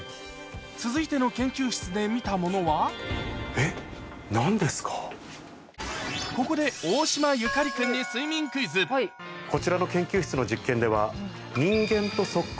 続いての研究室で見たものはここで大島由香里君にこちらの研究室の実験では。